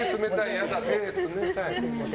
嫌だ、手冷たい。